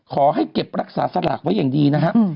ขอให้เก็บรักษาสลากไว้อย่างดีนะฮะ